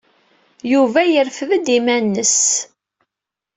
Yuba yerfed-d iman-nnes.